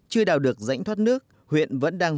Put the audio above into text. chưa đào được rãnh thoát nước huyện vẫn đang